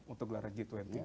untuk gelaran g dua puluh